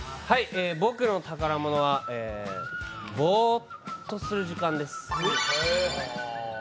僕の宝物はぼーっとする時間です。